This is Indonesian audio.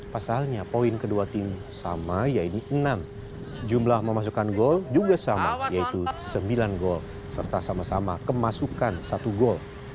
pasalnya poin kedua tim sama yaitu enam jumlah memasukkan gol juga sama yaitu sembilan gol serta sama sama kemasukan satu gol